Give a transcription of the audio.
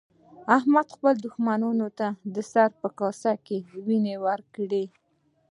احمد خپل دوښمن ته د سر په کاسه کې وينې ورکړې.